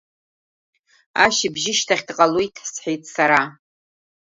Ашьыбжьышьҭахь дҟалоит, — сҳәеит сара.